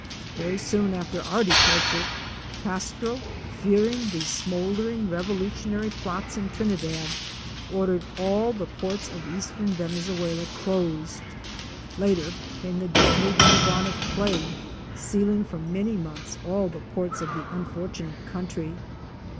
Very soon after our departure, Castro fearing the smoul dering revolutionary plots in Trinidad, ordered all the ports of eastern Venezucla closed. Later came the deadly bubonic plague sealing for many months all the ports of the unfortu nate country.